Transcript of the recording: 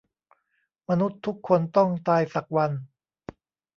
"มนุษย์ทุกคนต้องตายสักวัน"